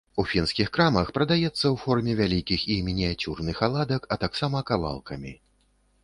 У фінскіх крамах прадаецца ў форме вялікіх і мініяцюрных аладак, а таксама кавалкамі.